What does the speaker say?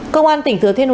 công an tỉnh thừa thiên huế